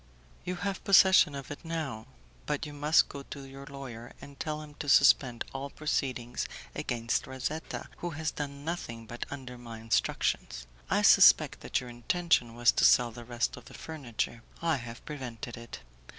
"You have possession of it now. But you must go to your lawyer and tell him to suspend all proceedings against Razetta, who has done nothing but under my instructions. I suspected that your intention was to sell the rest of the furniture; I have prevented it.